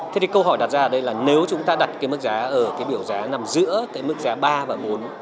thế thì câu hỏi đặt ra ở đây là nếu chúng ta đặt cái mức giá ở cái biểu giá nằm giữa cái mức giá ba và bốn